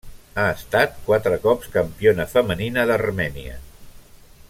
Ha estat quatre cops campiona femenina d'Armènia.